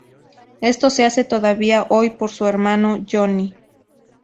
Esto se hace todavía hoy por su hermano Johnny.